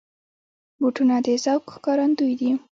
بوټونه د ذوق ښکارندوی دي.